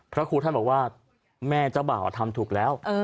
พระครูท่านบอกว่าแม่เจ้าบ่าวทำถูกแล้ว